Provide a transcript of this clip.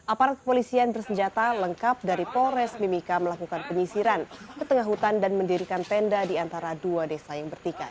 aparat kepolisian bersenjata lengkap dari polres mimika melakukan penyisiran ke tengah hutan dan mendirikan tenda di antara dua desa yang bertikai